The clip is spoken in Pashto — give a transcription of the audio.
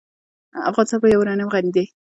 افغانستان په یورانیم غني دی.